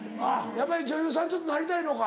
やっぱり女優さんにちょっとなりたいのか。